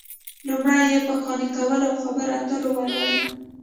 لومړۍ یې په قانع کولو او خبرو اترو ولاړه ده